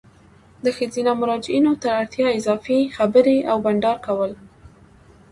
د ښځینه مراجعینو تر اړتیا اضافي خبري او بانډار کول